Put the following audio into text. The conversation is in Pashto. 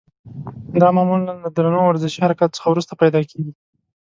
دا معمولا له درنو ورزشي حرکاتو څخه وروسته پیدا کېږي.